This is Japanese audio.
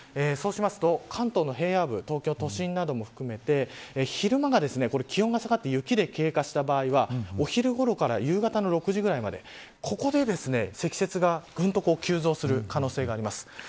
そうしますと、関東の平野部と京都市なども含めて昼間が気温が下がって雪で低下した場合はお昼頃から夕方６時ぐらいまでここで積雪がぐんと急増する可能性があります。